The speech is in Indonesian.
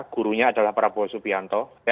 gurunya adalah prabowo subianto